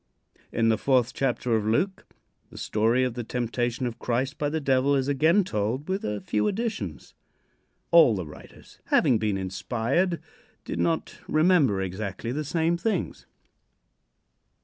In the fourth chapter of Luke the story of the temptation of Christ by the Devil is again told with a few additions. All the writers, having been inspired, did not remember exactly the same things.